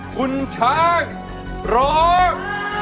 คุณช้างร้อง